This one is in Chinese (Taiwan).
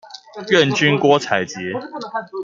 願君郭采潔